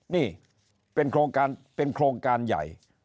นี่เป็นโครงการใหญ่